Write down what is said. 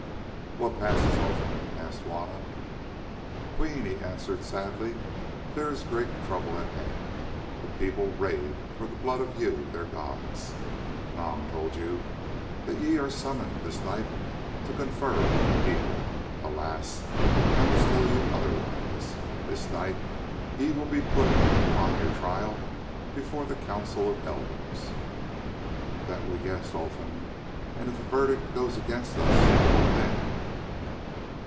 "What passes, Olfan?" asked Juanna. "Queen," he answered sadly, "there is great trouble at hand. The people rave for the blood of you, their gods. Nam told you that ye are summoned this night to confer with the people. Alas! I must tell you otherwise. This night ye will be put upon your trial before the Council of the Elders." "That we guessed, Olfan, and if the verdict goes against us, what then?"